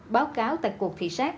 báo cáo tại cuộc thị xác